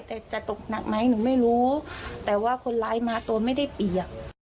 แต่จะตกหนักไหมหนูไม่รู้แต่ว่าคนร้ายมาตัวไม่ได้เปียก